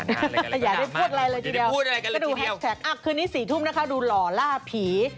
อย่าได้พูดอะไรเลยทีเดียวคืนนี้สี่ทุ่มนะคะดูหล่อล่าผี